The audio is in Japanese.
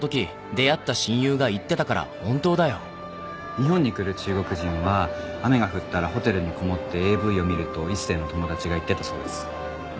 日本に来る中国人は雨が降ったらホテルにこもってＡＶを見ると一星の友達が言ってたそうです。